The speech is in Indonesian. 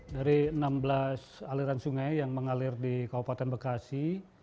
dari enam belas aliran sungai yang mengalir di kabupaten bekasi